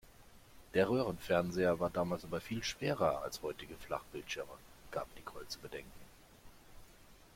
Der Röhrenfernseher war damals aber viel schwerer als heutige Flachbildschirme, gab Nicole zu bedenken.